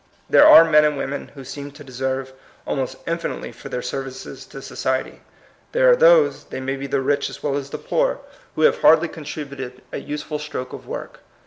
There are men and women who seem to deserve almost infinitely for their services to society. There are those (they may be the rich as well aa the poor) who 132 THE COMING PEOPLE. have hardly contributed a useful stroke of work.